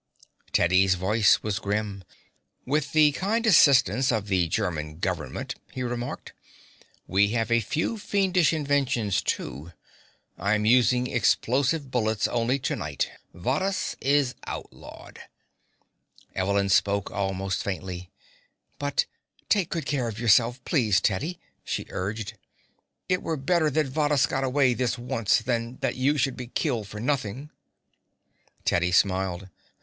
Teddy's voice was grim. "With the kind assistance of the German government," he remarked, "we have a few fiendish inventions, too. I'm using explosive bullets only to night. Varrhus is outlawed." Evelyn spoke almost faintly. "But take good care of yourself, please, Teddy," she urged. "It were better that Varrhus got away this once than that you should be killed for nothing." Teddy smiled.